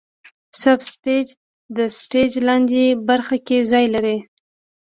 سب سټیج د سټیج لاندینۍ برخه کې ځای لري.